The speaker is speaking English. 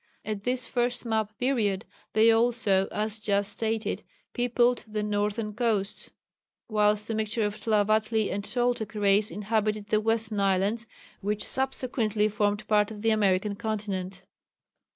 At this first map period they also as just stated peopled the northern coasts, whilst a mixture of Tlavatli and Toltec race inhabited the western islands, which subsequently formed part of the American continent.